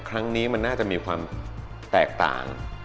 ครั้งนี้มันน่าจะมีความแตกต่าง